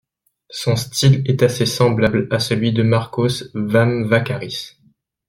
Son style est assez semblable à celui de Markos Vamvakaris.